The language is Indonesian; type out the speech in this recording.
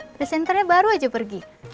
presenternya baru aja pergi